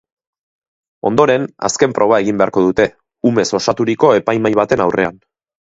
Ondoren, azken proba egin beharko dute, umez osaturiko epaimahai baten aurrean.